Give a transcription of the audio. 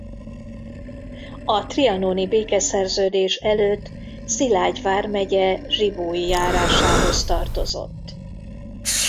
A trianoni békeszerződés előtt Szilágy vármegye Zsibói járásához tartozott.